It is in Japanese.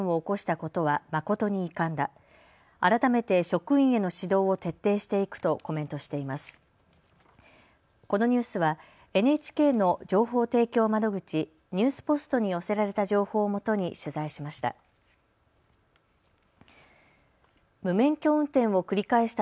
このニュースはＮＨＫの情報提供窓口、ニュースポストに寄せられた情報をもとに取材しました。